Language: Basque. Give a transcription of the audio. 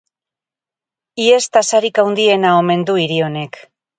Hies tasarik handiena omen du hiri honek.